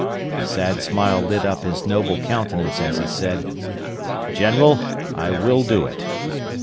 A sad smile lit up his noble countenance as he said, _"General, I will do it."